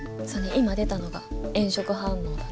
今出たのが炎色反応だね。